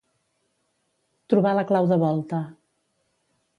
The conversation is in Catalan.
Trobar la clau de volta.